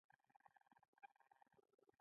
څو هغه خټکي دواړه وخورو.